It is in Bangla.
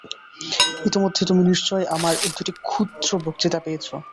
ইতোমধ্যে তুমি নিশ্চয় আমার দুটি ক্ষুদ্র বক্তৃতা পেয়েছ।